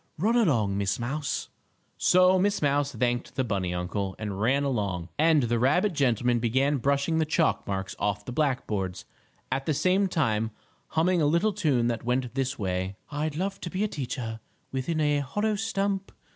Run along, Miss Mouse." So Miss Mouse thanked the bunny uncle, and ran along, and the rabbit gentleman began brushing the chalk marks off the black boards, at the same time humming a little tune that went this way: "I'd love to be a teacher, Within a hollow stump.